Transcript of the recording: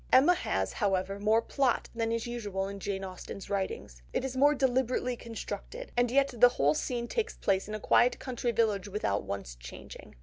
Emma has, however, more plot than is usual with Jane Austen's writings, it is more deliberately constructed, and yet the whole scene takes place in a quiet country village without once changing.